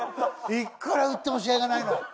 いくら打っても試合がないの。